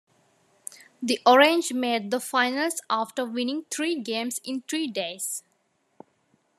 The Orange made the finals after winning three games in three days.